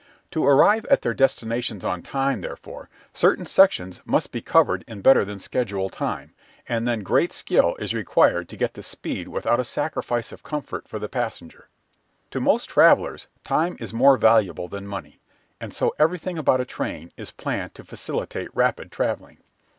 To arrive at their destinations on time, therefore, certain sections must be covered in better than schedule time, and then great skill is required to get the speed without a sacrifice of comfort for the passenger. To most travellers time is more valuable than money, and so everything about a train is planned to facilitate rapid travelling.